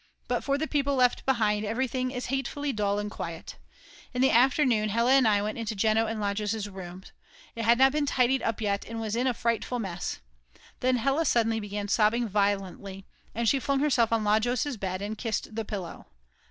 But for the people left behind everything is hatefully dull and quiet. In the afternoon Hella and I went into Jeno's and Lajos' room, it had not been tidied up yet and was in a frightful mess. Then Hella suddenly began sobbing violently, and she flung herself on Lajos' bed and kissed the pillow.